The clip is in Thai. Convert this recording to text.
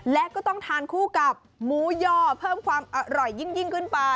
และก็ต้องทานคู่กับหมูย่อเพิ่มความอร่อยยิ่งขึ้นไป